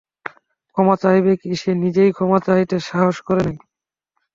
ক্ষমা চাহিবে কী, সে নিজেই ক্ষমা চাহিতে সাহস করে নাই।